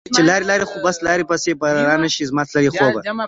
چې لاړي لاړي خو بس لاړي پسي ، بیا به رانشي زما تللي خوبه